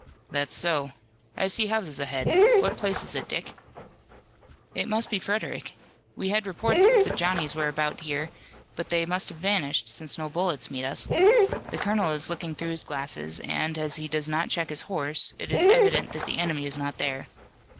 "That's so. I see houses ahead. What place is it, Dick?" "It must be Frederick. We had reports that the Johnnies were about here, but they must have vanished, since no bullets meet us. The colonel is looking through his glasses, and, as he does not check his horse, it is evident that the enemy is not there."